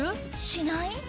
しない？